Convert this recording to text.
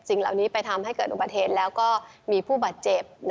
เหล่านี้ไปทำให้เกิดอุบัติเหตุแล้วก็มีผู้บาดเจ็บ